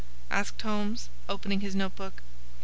asked Holmes, opening his note book.